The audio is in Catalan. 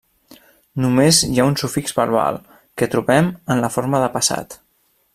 Només hi ha un sufix verbal, que trobem en la forma de passat.